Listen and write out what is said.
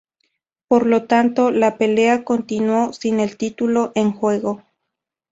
Por lo tanto, la pelea continuó sin el título en juego.